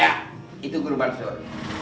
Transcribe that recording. ya itu guru mansur